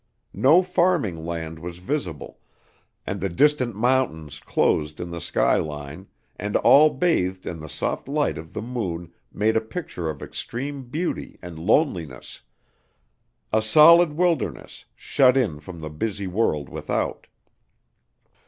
No farming land was visible, and the distant mountains closed in the sky line, and all bathed in the soft light of the moon, made a picture of extreme beauty and loneliness a solid wilderness, shut in from the busy world without.